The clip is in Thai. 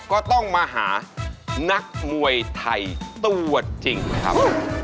ก็ต้องมาหานักมวยไทยตัวจริงครับ